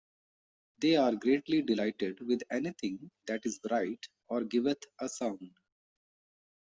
They are greatly delighted with anything that is bright or giveth a sound.